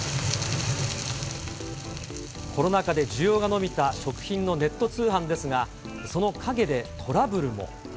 コロナ禍で需要が伸びた食品のネット通販ですが、その陰でトラブルも。